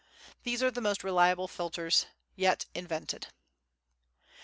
These are the most reliable filters yet invented.